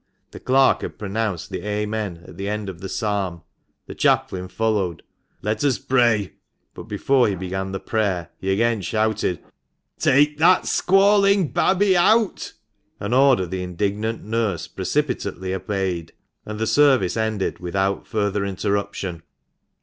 The clerk had pronounced the " Amen " at the end of the psalm ; the chaplain followed, "Let us pray;" but before he began the prayer, he again shouted, " Take that squalling babby out !"— an order the indignant nurse precipitately obeyed ; and the service ended without further interruption.